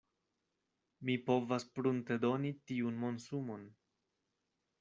Mi povas pruntedoni tiun monsumon.